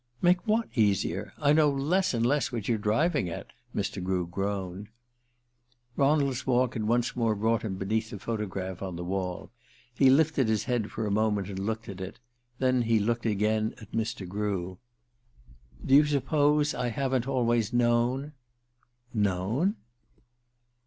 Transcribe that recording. "Make what easier? I know less and less what you're driving at," Mr. Grew groaned. Ronald's walk had once more brought him beneath the photograph on the wall. He lifted his head for a moment and looked at it; then he looked again at Mr. Grew. "Do you suppose I haven't always known?" "Known